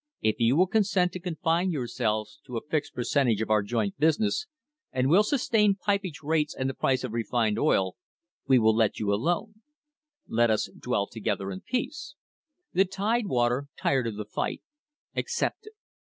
"If you will consent to confine yourselves to a fixed percentage of our joint business, and will sustain pipage rates and the price of refined oil, we will let you alone. Let us dwell together in peace." The Tidewater, tired of the fight, accepted.